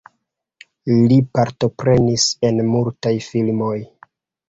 Li partoprenis en multaj filmoj.